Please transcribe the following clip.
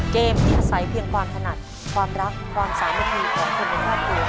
เกมที่อาศัยเพียงความถนัดความรักความสามัคคีของคนในครอบครัว